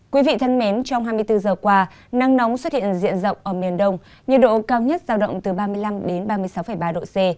quý vị thân mến trong hai mươi bốn giờ qua nắng nóng xuất hiện diện rộng ở miền đông nhiệt độ cao nhất giao động từ ba mươi năm ba mươi sáu ba độ c